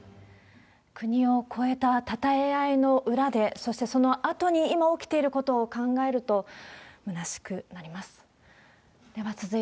国を超えたたたえ合いの裏で、そしてそのあとに、今起きていることを考えると、むなしくなります。